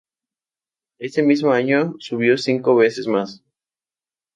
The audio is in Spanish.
Ese mismo año, subió cinco veces más.